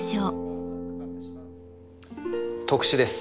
特殊です。